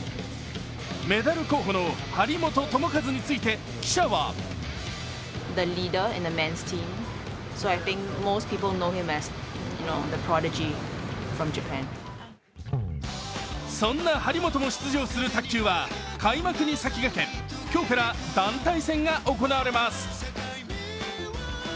メダル候補の張本智和について記者はそんな張本も出場する卓球は開幕に先駆け今日から団体戦が行われます。